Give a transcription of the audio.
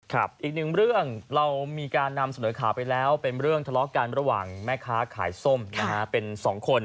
อีกหนึ่งเรื่องเรามีการนำเสนอข่าวไปแล้วเป็นเรื่องทะเลาะกันระหว่างแม่ค้าขายส้มนะฮะเป็นสองคน